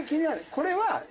これは。